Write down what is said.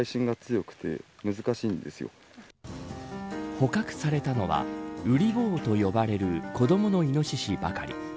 捕獲されたのはうり坊と呼ばれる子どものイノシシばかり。